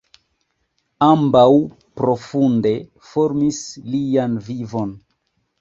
Ambaŭ profunde formis lian vivon.